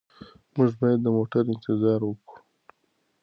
موږ باید د موټر انتظار وکړو.